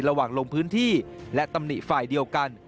ลงพื้นที่และตำหนิฝ่ายเดียวกัน